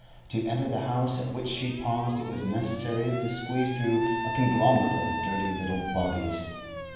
To enter the house at which she paused it was necessary to squeeze through a conglomerate of dirty little bodies.